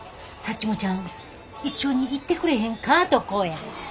サッチモちゃん一緒に行ってくれへんか？」とこうや。